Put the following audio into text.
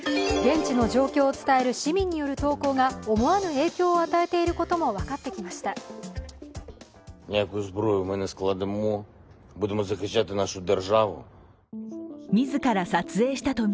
現地の状況を伝える市民による投稿が思わぬ影響を与えていることがわかってきました。